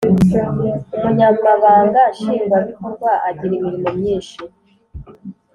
umunyamabanga nshingwabikorwa agira imirimo myinshi